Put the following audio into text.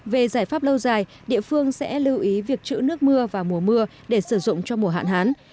về giải pháp lâu dài địa phương sẽ lưu ý việc chữ nước mưa vào mùa mưa để sử dụng cho mùa hạn hán